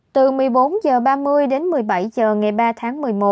từ một mươi bốn h ba mươi đến một mươi bảy h ngày ba tháng một mươi một